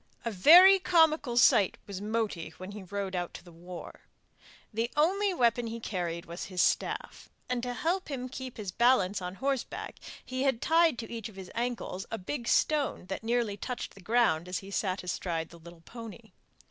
A very comical sight was Moti when he rode out to the war. The only weapon he carried was his staff, and to help him to keep his balance on horseback he had tied to each of his ankles a big stone that nearly touched the ground as he sat astride the little pony.